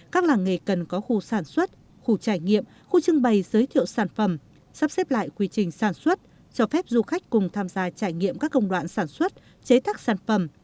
các làng nghề cần có khu sản xuất khu trải nghiệm khu trưng bày giới thiệu sản phẩm sắp xếp lại quy trình sản xuất cho phép du khách cùng tham gia trải nghiệm các công đoạn sản xuất chế thắc sản phẩm